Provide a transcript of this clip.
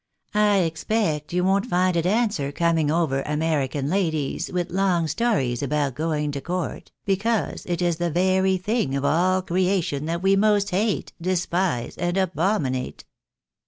I expect you won't find it answer coming over American ladies with long stories about going to court, because it is the very thing of all creation that we most hate, despise, and abominate.